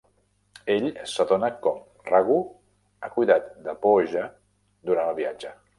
Ell s'adona com Raghu ha cuidat de Pooja durant el viatge.